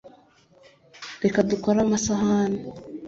reka dukore amasahani